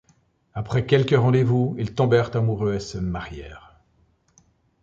Après quelques rendez vous, ils tombèrent amoureux et se marièrent.